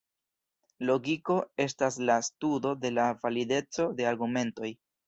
Logiko estas la studo de la valideco de argumentoj.